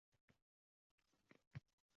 Ushbu Qonunning maqsadi